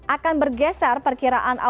akan bergeser perkiraan awal